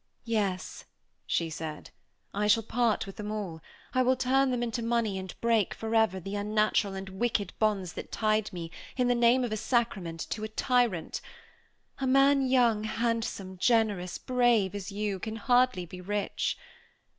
"Yes," she said, "I shall part with them all. I will turn them into money and break, forever, the unnatural and wicked bonds that tied me, in the name of a sacrament, to a tyrant. A man young, handsome, generous, brave, as you, can hardly be rich.